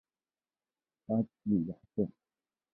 巴吉亚县是东帝汶民主共和国包考区的一个县。